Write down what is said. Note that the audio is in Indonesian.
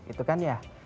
itu kan ya